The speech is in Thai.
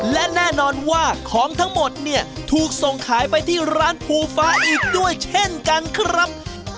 และแน่นอนว่าของทั้งหมดเนี่ยถูกส่งขายไปที่ร้านภูฟ้าอีกด้วยเช่นกันครับ